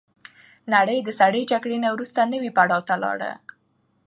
نړۍ د سړې جګړې نه وروسته نوي پړاو ته لاړه.